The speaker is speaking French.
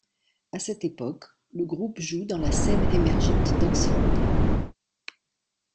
À cette période, le groupe joue dans la scène émergente d'Oxford.